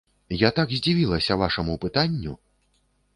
Я так здзівілася вашаму пытанню!